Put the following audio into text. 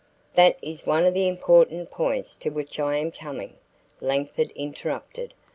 "That is one of the important points to which I am coming," Langford interrupted.